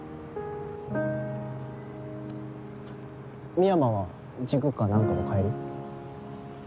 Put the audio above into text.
美山は塾か何かの帰り？